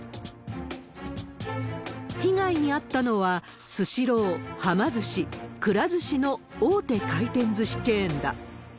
被害に遭ったのは、スシロー、はま寿司、くら寿司の大手回転ずしチェーンだ。